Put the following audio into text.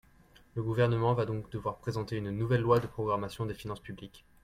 Le Gouvernement va donc devoir présenter une nouvelle loi de programmation des finances publiques.